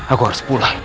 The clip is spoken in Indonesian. aku harus pulang